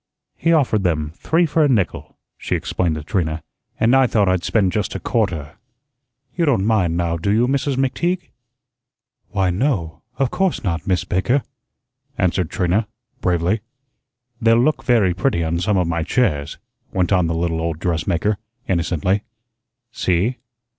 "He offered them, three for a nickel," she explained to Trina, "and I thought I'd spend just a quarter. You don't mind, now, do you, Mrs. McTeague?" "Why, no, of course not, Miss Baker," answered Trina, bravely. "They'll look very pretty on some of my chairs," went on the little old dressmaker, innocently. "See."